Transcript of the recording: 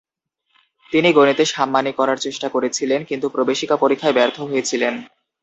তিনি গণিতে সাম্মানিক করার চেষ্টা করেছিলেন, কিন্তু প্রবেশিকা পরীক্ষায় ব্যর্থ হয়েছিলেন।